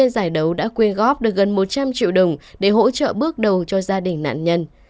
hai giải đấu đã quyên góp được gần một trăm linh triệu đồng để hỗ trợ bước đầu cho gia đình nạn nhân